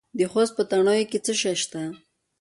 د خوست په تڼیو کې څه شی شته؟